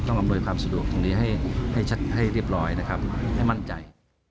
อำนวยความสะดวกตรงนี้ให้เรียบร้อยนะครับให้มั่นใจ